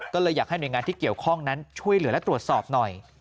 ก็เลยอยากให้หน่วยงานที่เกี่ยวข้องนั้นช่วยเหลือและตรวจสอบหน่อย